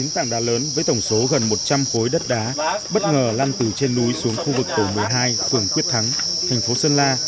tám tảng đá lớn với tổng số gần một trăm linh khối đất đá bất ngờ lăn từ trên núi xuống khu vực tổ một mươi hai phường quyết thắng thành phố sơn la